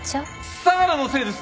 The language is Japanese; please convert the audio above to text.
相良のせいです！